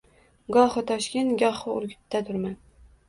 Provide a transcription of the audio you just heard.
Gohi Toshkent, gohi Urgutdadurman.